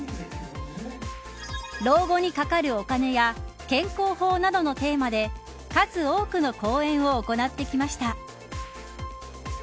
老後にかかるお金や健康法などのテーマで数多くの講演を行ってきました。